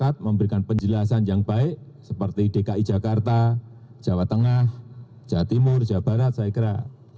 saya ingin memberikan penjelasan yang baik seperti dki jakarta jawa tengah jawa timur jawa barat saya kira